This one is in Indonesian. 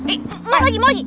eh lagi mau lagi